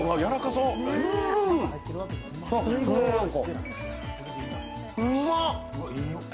うまっ！